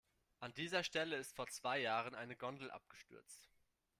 An dieser Stelle ist vor zwei Jahren eine Gondel abgestürzt.